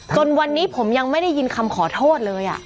จนวันนี้ผมยังไม่ได้ยินคำขอโทษเลย